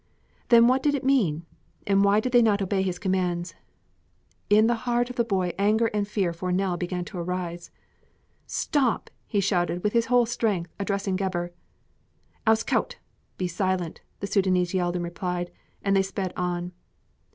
Then what did it mean? And why did they not obey his commands? In the heart of the boy anger and fear for Nell began to rise. "Stop!" he shouted with his whole strength, addressing Gebhr. "Ouskout! (be silent)!" the Sudânese yelled in reply; and they sped on.